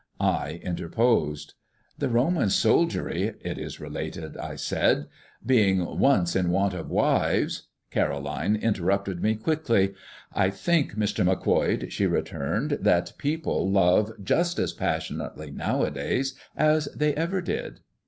I interposed. "The Roman soldiery, it is related," I said, "being once in want of wives " Caroline interrupted me quickly. "I think, Mr. Macquoid," she returned, "that people love just as passionately nowadays as they ever did."